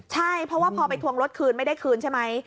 ใช่เพราะว่าพอไปทวงรถคืนไม่ได้คืนใช่ไหม